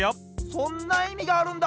そんないみがあるんだ！